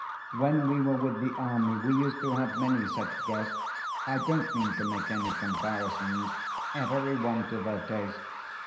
When we were with the army, we used to have many such guests. I don't mean to make any comparisons; every one to their taste.